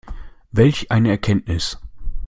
Welch eine Erkenntnis!